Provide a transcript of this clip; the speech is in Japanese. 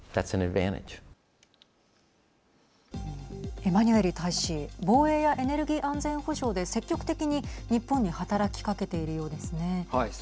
エマニュエル大使防衛やエネルギーの安全保障で積極的に日本に働きかけているようですね。